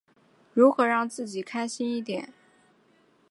如何让自己开心一点？